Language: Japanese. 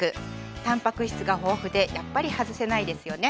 たんぱく質が豊富でやっぱり外せないですよね。